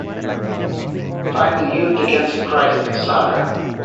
Find the Youth Against Christ saga